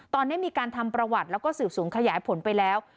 ตอนนี้มีการทำประวัติแล้วก็สืบสวนขยายผลไปแล้ว